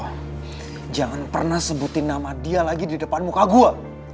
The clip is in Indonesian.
eh lo jangan pernah sebutin nama dia lagi di depan muka gua